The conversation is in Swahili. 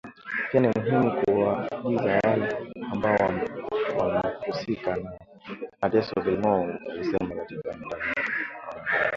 pia ni muhimu kuwaangazia wale ambao wamehusika na mateso Gilmore alisema katika mkutano na wanahabari